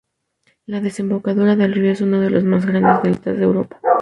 La desembocadura del río es uno de los más grandes deltas de Europa.